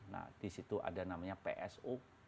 nah disitu ada namanya pso